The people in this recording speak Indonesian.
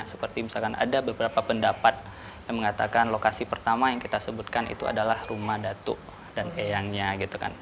seperti misalkan ada beberapa pendapat yang mengatakan lokasi pertama yang kita sebutkan itu adalah rumah datuk dan eyangnya gitu kan